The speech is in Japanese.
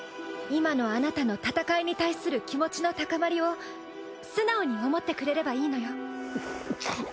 今のあなたの戦いに対する気持ちの高まりを素直に想ってくれればいいのよ。